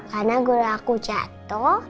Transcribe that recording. karena guru aku jatuh